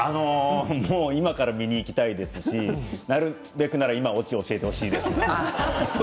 今から見に行きたいですしなるべくなら今オチ教えてほしいです。